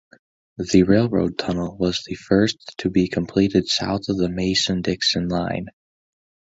The railroad tunnel was the first to be completed south of the Mason-Dixon line.